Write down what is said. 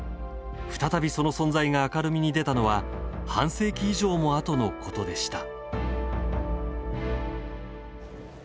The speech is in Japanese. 再びその存在が明るみに出たのは半世紀以上もあとのことでした。